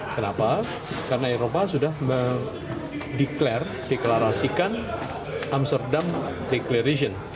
kenapa karena eropa sudah mendeklarasikan amsterdam declaration